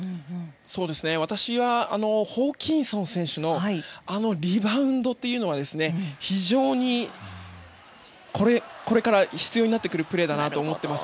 私は、ホーキンソン選手のあのリバウンドというのは非常にこれから必要になってくるプレーだと思います。